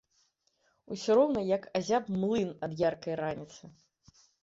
Усё роўна як азяб млын ад яркай раніцы.